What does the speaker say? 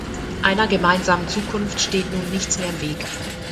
Einer gemeinsamen Zukunft steht nun nichts mehr im Weg.